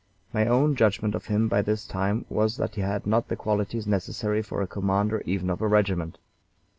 My own judgment of him by this time was that he had not the qualities necessary for commander even of a regiment.